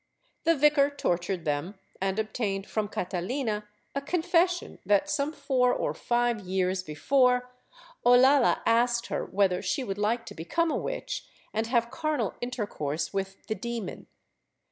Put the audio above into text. The vicar tortured them and obtained from Catalina a confession that, some four or five years before, Olalla asked her whether she would like to become a witch and have carnal intercourse with the demon.